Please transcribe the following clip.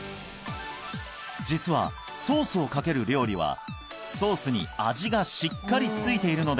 実はソースをかける料理はソースに味がしっかりついているので